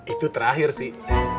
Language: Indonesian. itu terakhir sih